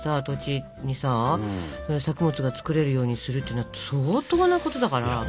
土地にさ作物が作れるようにするっていうのは相当なことだから。